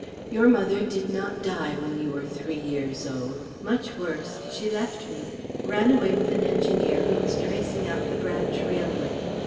Your mother did not die when you were three years old much worse: she left me ran away with an engineer who was tracing out the branch railway.